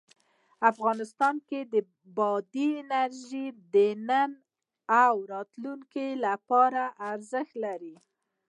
افغانستان کې بادي انرژي د نن او راتلونکي لپاره ارزښت لري.